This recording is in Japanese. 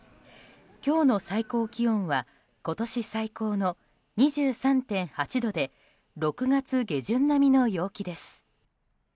今日の最高気温は今年最高の２３．８度で６月下旬並みの陽気です。